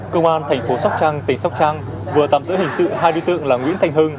công an thành phố sóc trăng tỉnh sóc trăng vừa tạm giữ hình sự hai đối tượng là nguyễn thanh hưng